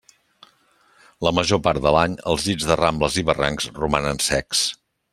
La major part de l'any els llits de rambles i barrancs romanen secs.